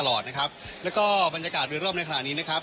และความอบรับต่ำสูญหาย